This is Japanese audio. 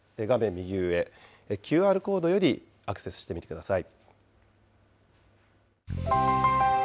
右上、ＱＲコードよりアクセスしてみてください。